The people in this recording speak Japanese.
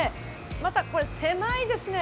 またこれ狭いですね。